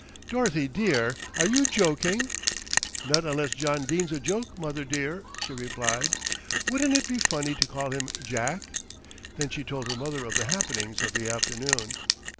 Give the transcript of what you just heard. "Dorothy dear, are you joking?" "Not unless John Dene's a joke, mother dear," she replied. "Wouldn't it be funny to call him Jack?" Then she told her mother of the happenings of the afternoon.